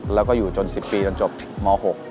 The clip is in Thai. แล้วก็อยู่จน๑๐ปีจนจบม๖